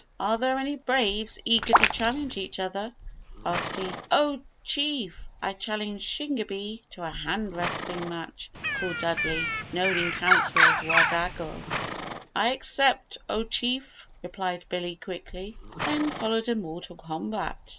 "Are there any Braves eager to challenge each other?" asked he. "Oh Chief! I challenge Shingebis to a hand wrestling match!" called Dudley, known in Council as Wahdago. "I accept, Oh Chief!" replied Billy, quickly. Then followed a mortal combat